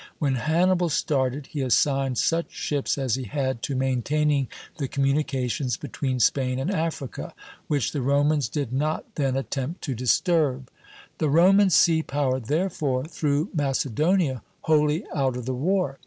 When Hannibal started, he assigned such ships as he had to maintaining the communications between Spain and Africa, which the Romans did not then attempt to disturb. The Roman sea power, therefore, threw Macedonia wholly out of the war.